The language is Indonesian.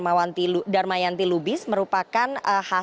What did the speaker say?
enam karakter yang sangat banyak mau diikatakan